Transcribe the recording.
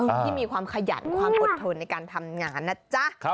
ที่มีความขยันความอดทนในการทำงานนะจ๊ะ